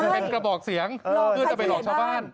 เป็นกระบอกเสียงเพื่อจะไปหลอกชาวบ้าน